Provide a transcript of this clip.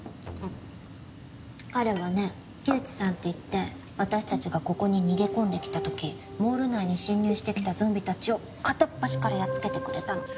彼はね木内さんっていって私たちがここに逃げ込んできたときモール内に侵入してきたゾンビたちを片っ端からやっつけてくれたの。